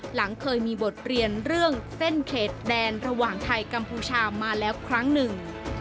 หลังเคยมีบทเรียนเรื่องเส้นเขตแดนระหว่างไทยกัมพูชามาแล้วครั้งหนึ่ง